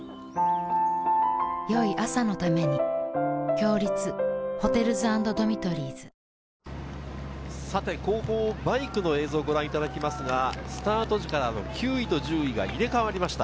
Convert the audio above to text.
京都出身の村尾が今、さて後方、バイクの映像をご覧いただきますが、スタート時からの９位と１０位が入れ替わりました。